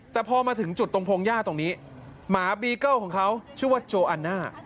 แต่พอมาถึงจุดตรงพงหญ้าตรงนี้หมาบีเกิ้ลของเขาชื่อว่าโจอันน่า